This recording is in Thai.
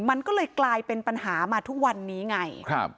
มันก็เลยกลายเป็นปัญหามาทุกวันนี้ไงครับ